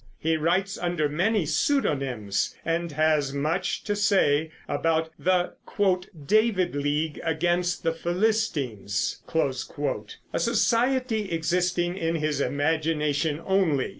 He writes under many pseudonyms, and has much to say about the "David league against the Philistines," a society existing in his imagination only.